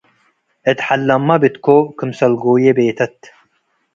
እትሐለመ ብትኮ - ክምሰል ጎዬ ቤተት